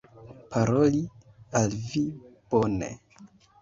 paroli al vi, bone.